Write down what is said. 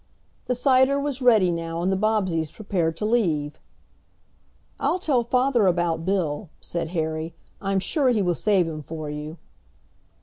The cider was ready now, and the Bobbseys prepared to leave. "I'll tell father about Bill," said Harry. "I'm sure he will save him for you."